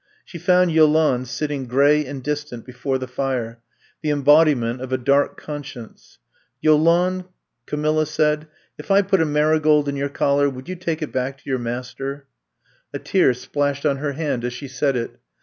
She found Yolande sitting gray and distant before the fire, the embodiment of a dark conscience. ^* Yolande, '^ Camilla said, *4f I put a marigold in your collar, would you take it back to your master T ' A tear splashed on 158 I'VE COMB TO STAY her hand as she said it.